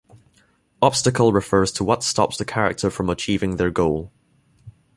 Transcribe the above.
Obstacle refers to what stops the character from achieving their goal.